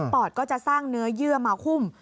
อดก็จะสร้างเนื้อเยื่อมาหุ้ม